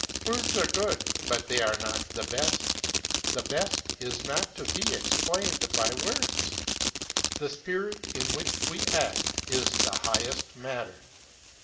Words are good, but they are not the best. The best is not to be explained by words. The spirit in which we act is the highest matter.